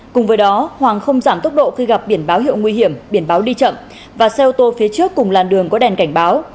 cùng với đó hoàng không giảm tốc độ khi gặp biển báo hiệu nguy hiểm biển báo đi chậm và xe ô tô phía trước cùng làn đường có đèn cảnh báo